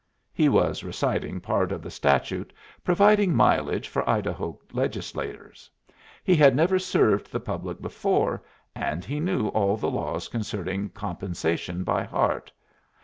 He was reciting part of the statute providing mileage for Idaho legislators. He had never served the public before, and he knew all the laws concerning compensation by heart.